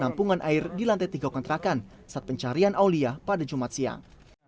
penampungan air di lantai tiga kontrakan saat pencarian aulia pada jumat siang